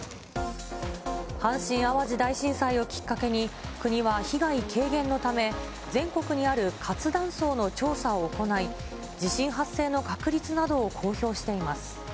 阪神・淡路大震災をきっかけに、国は被害軽減のため、全国にある活断層の調査を行い、地震発生の確立などを公表しています。